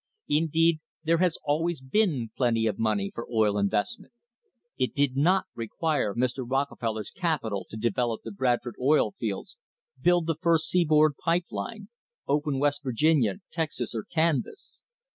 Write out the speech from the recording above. Indeed, there has always been plenty of money for oil investment. It did not require Mr. Rockefeller's capital to develop the Bradford oil fields, build the first seaboard pipe line, open West Virginia, Texas, or Kansas.